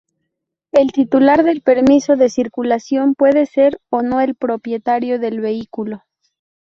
El titular del permiso de circulación puede ser o no el propietario del vehículo.